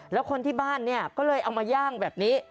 แล้วคนที่บ้านเนี่ยก็เลยเอามาย่างแบบนี้